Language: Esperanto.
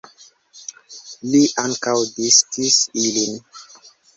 Li ankaŭ diskis ilin.